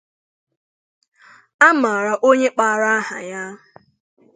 a mara onye kparaha ya.